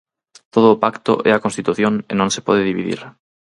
Todo o pacto é a Constitución e non se pode dividir.